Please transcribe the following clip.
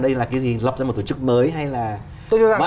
đây là cái gì lọc ra một tổ chức mới hay là